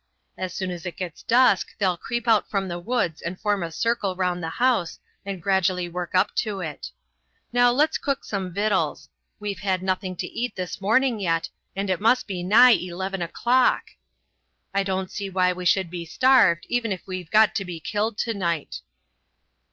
As soon as it gets dusk they'll creep out from the woods and form a circle round the house and gradually work up to it. Now let's cook some vittles; we've had nothing to eat this morning yet, and it must be nigh eleven o'clock. I don't see why we should be starved, even if we have got to be killed to night."